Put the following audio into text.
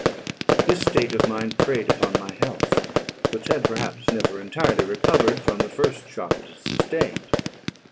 This state of mind preyed upon my health, which had perhaps never entirely recovered from the first shock it had sustained.